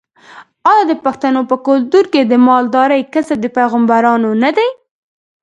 آیا د پښتنو په کلتور کې د مالدارۍ کسب د پیغمبرانو نه دی؟